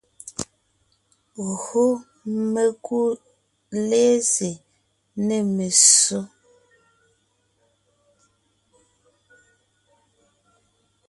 Gÿo mekú lɛ́sè nê messó,